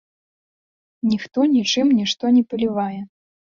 Ніхто нічым нішто не палівае.